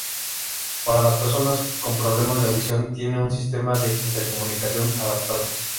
Para las personas con problemas de audición, tiene un sistema de intercomunicación adaptado.